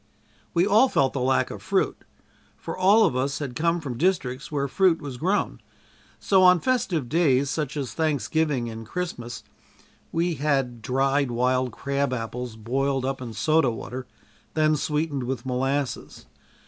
We all felt the lack of fruit, for all of us had come from districts where fruit was grown, so on festive days such as Thanksgiving and Christmas, we had dried wild crab apples boiled up in soda water, then sweetened with molasses.